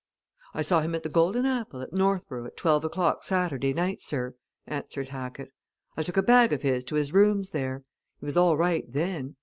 "I saw him at the 'Golden Apple' at Northborough at twelve o'clock Saturday night, sir," answered Hackett. "I took a bag of his to his rooms there. He was all right then.